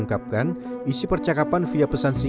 saya diberitahu oleh saudara andi